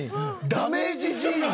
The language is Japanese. ダメージジーンズ。